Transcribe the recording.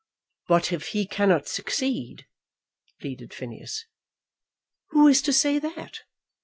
"But if he cannot succeed," pleaded Phineas. "Who is to say that?